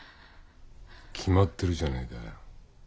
決まってるじゃねえかよ